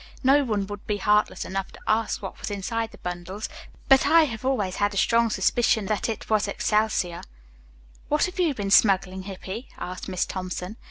No one would be heartless enough to ask what was inside the bundles, but I have always had a strong suspicion that it was excelsior." "What have you been smuggling, Hippy?" asked Miss Thompson.